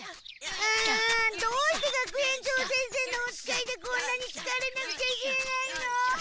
あどうして学園長先生のお使いでこんなにつかれなくちゃいけないの？